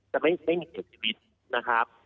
จะไม่มีเสียชีวิตนะครับ